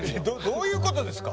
「どういう事ですか？」